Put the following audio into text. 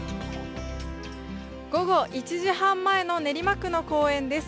午後１時半前の練馬区の公園です。